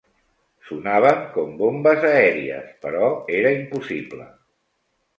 Sonaven com bombes aèries, però era impossible